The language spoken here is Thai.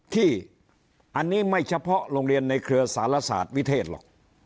ที่อันนี้ไม่เฉพาะโรงเรียนในเครือสารศาสตร์วิเทศหรอก